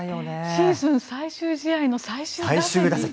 シーズン最終試合の最終打席。